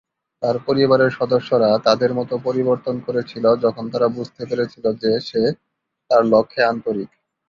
তার পরিবারের সদস্যরা তাদের মত পরিবর্তন করেছিল যখন তারা বুঝতে পেরেছিল যে সে তার লক্ষে আন্তরিক।